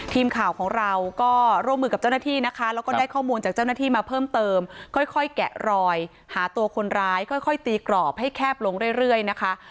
ทีมข่าวของเราก็ร่วมมือกับเจ้าหน้าที่นะคะแล้วก็ได้ข้อมูลจากเจ้าหน้าที่มาเพิ่มเติมค่อยแกะรอยหาตัวคนร้ายค่อยตีกรอบให้แคบลงเรื่อยนะคะ